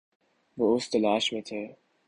وہ اس تلاش میں تھے